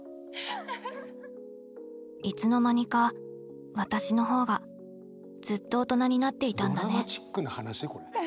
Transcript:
いつの間にか私の方がずっと大人になっていたんだね。